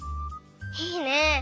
いいね！